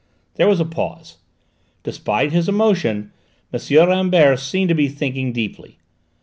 There was a pause. Despite his emotion, M. Rambert seemed to be thinking deeply.